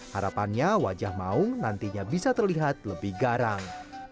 harapannya wajah maung nantinya bisa terlihat lebih garang